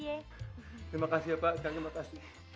terima kasih pak sekarang terima kasih